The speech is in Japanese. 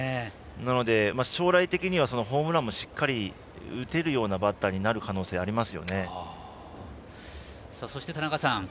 将来的にはホームランをしっかり打てるようなバッターになる可能性がありますね。